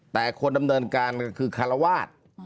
แต่ควรนำเนินการคือคารวาท